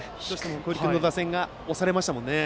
北陸の打線が押されましたもんね。